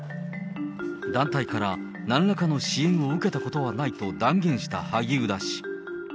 団体からなんらかの支援を受けたことはないと断言した萩生田氏。